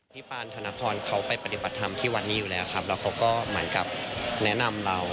ปานธนพรเขาไปปฏิบัติธรรมที่วัดนี้อยู่แล้วครับแล้วเขาก็เหมือนกับแนะนำเรา